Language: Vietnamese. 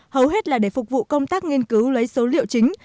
hầu hết là để phục vụ công tác nghiên cứu lấy số liệu chính